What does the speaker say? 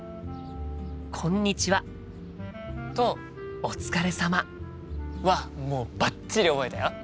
「こんにちは」と「お疲れ様」はもうバッチリ覚えたよ。